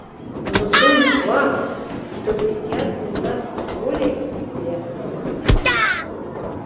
Но сонць фактсь, што крестьяттне сатсть воля, пяк нара.